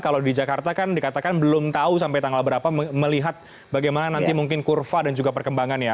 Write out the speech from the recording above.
kalau di jakarta kan dikatakan belum tahu sampai tanggal berapa melihat bagaimana nanti mungkin kurva dan juga perkembangannya